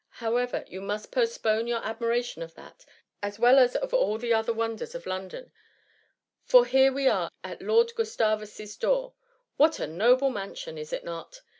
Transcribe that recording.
However, you must postpone your admiration of that, as well as of the other wonders of London, for here we are at Lord Gustavus^s door. What a noble mansion ! is it not